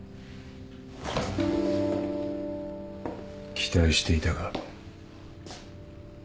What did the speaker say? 期待していたが。